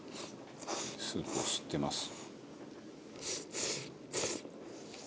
スープを吸ってます。